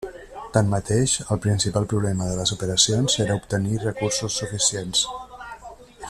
Tanmateix, el principal problema de les operacions era obtenir recursos suficients.